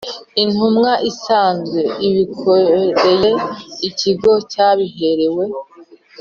Intumwa isanzwe ibikoreye Ikigo cyabiherewe